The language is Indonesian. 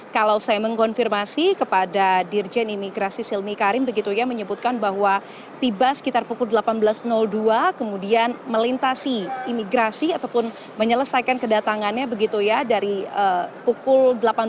kalau saya mengonfirmasi kepada dirjen imigrasi silmi karim menyebutkan bahwa tiba sekitar pukul delapan belas dua kemudian melintasi imigrasi ataupun menyelesaikan kedatangannya dari pukul delapan belas empat puluh satu